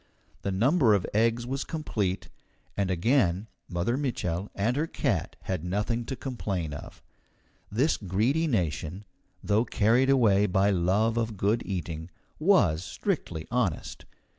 The number of eggs was complete, and again Mother Mitchel and her cat had nothing to complain of. This Greedy nation, though carried away by love of good eating, was strictly honest.